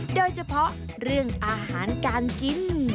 โดยเฉพาะเรื่องอาหารการกิน